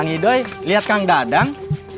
kami doi liat kang dadang